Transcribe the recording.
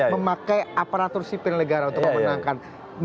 memakai aparatur sipil negara untuk memenangkan